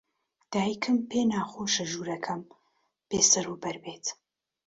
دایکم پێی ناخۆشە ژوورەکەم بێسەروبەر بێت.